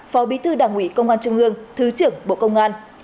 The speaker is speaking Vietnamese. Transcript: phó bí thư đảng ủy công an trung ương thứ trưởng bộ công an